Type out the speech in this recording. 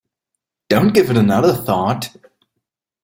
Don't give it another thought.